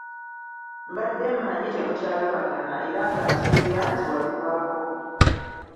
Mbadde mmanyi temukyalabagana era nga nsuubira nti wabivaako.